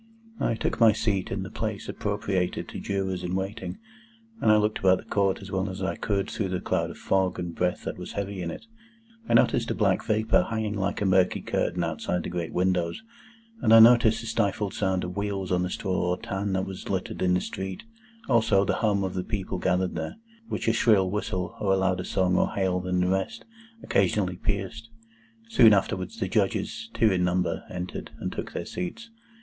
I took my seat in the place appropriated to Jurors in waiting, and I looked about the Court as well as I could through the cloud of fog and breath that was heavy in it. I noticed the black vapour hanging like a murky curtain outside the great windows, and I noticed the stifled sound of wheels on the straw or tan that was littered in the street; also, the hum of the people gathered there, which a shrill whistle, or a louder song or hail than the rest, occasionally pierced. Soon afterwards the Judges, two in number, entered, and took their seats.